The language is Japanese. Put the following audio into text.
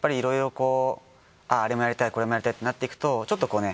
これもやりたいってなっていくとちょっとこうね